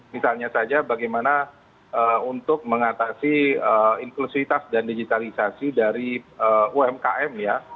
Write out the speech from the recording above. misalnya saja bagaimana untuk mengatasi inklusivitas dan digitalisasi dari umkm ya